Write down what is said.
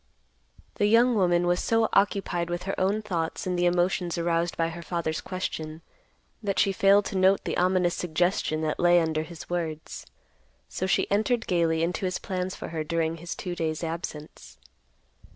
The young woman was so occupied with her own thoughts and the emotions aroused by her father's question, that she failed to note the ominous suggestion that lay under his words. So she entered gaily into his plans for her during his two days' absence.